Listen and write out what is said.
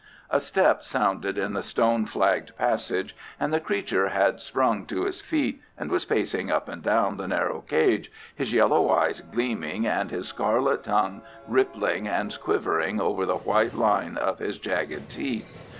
A step sounded in the stone flagged passage, and the creature had sprung to his feet, and was pacing up and down the narrow cage, his yellow eyes gleaming, and his scarlet tongue rippling and quivering over the white line of his jagged teeth.